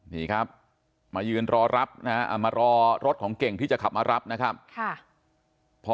นี่ครับมายืนรอรับนะฮะมารอรถของเก่งที่จะขับมารับนะครับ